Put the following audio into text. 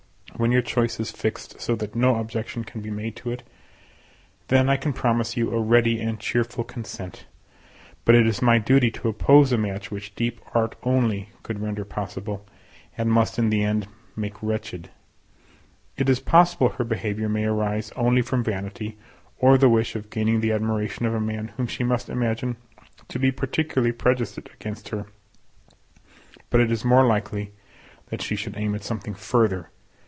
When your choice is fixed so that no objection can be made to it, then I can promise you a ready and cheerful consent; but it is my duty to oppose a match which deep art only could render possible, and must in the end make wretched. It is possible her behaviour may arise only from vanity, or the wish of gaining the admiration of a man whom she must imagine to be particularly prejudiced against her; but it is more likely that she should aim at something further.